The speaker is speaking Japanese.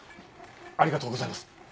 ありがとうございます。